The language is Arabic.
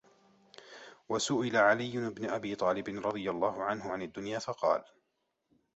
وَسُئِلَ عَلِيُّ بْنُ أَبِي طَالِبٍ رَضِيَ اللَّهُ عَنْهُ عَنْ الدُّنْيَا فَقَالَ